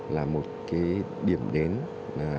là một cái điểm đến an toàn